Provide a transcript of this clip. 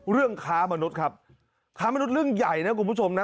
เรื่องค้ามนุษย์ครับค้ามนุษย์เรื่องใหญ่นะคุณผู้ชมนะ